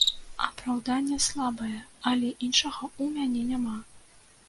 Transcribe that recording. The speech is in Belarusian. Апраўданне слабае, але іншага ў мяне няма.